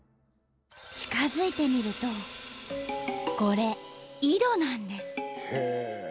近づいてみるとこれ井戸なんです。